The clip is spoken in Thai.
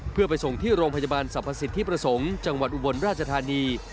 เพื่อไปส่งที่โรงพยาบาลสรรพสิทธิประสงค์จังหวัดอุบลราชธานี